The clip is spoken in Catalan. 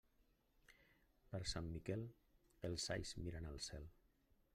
Per Sant Miquel, els alls miren al cel.